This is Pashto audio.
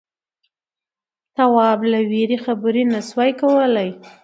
تواب له وېرې خبرې نه شوې کولای.